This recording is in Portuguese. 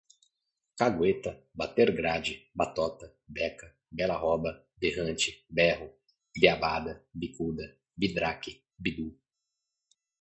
cagueta, bater grade, batota, beca, bela roba, berrante, berro, biabada, bicuda, bidraque, bidú